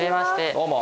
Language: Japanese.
どうも。